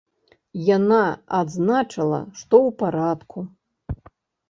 Яна адзначыла, што ў парадку.